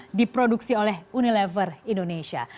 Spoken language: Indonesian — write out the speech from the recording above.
yang diproduksi oleh unilever indonesia